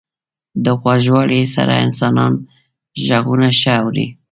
• د غوږوالۍ سره انسانان ږغونه ښه اوري.